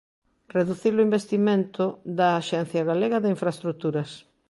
Reducir o investimento da Axencia Galega de Infraestruturas.